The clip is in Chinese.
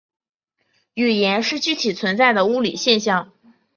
语音是具体存在的物理现象。